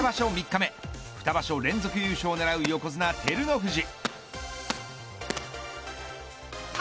３日目二場所連続優勝を狙う横綱、照ノ富士。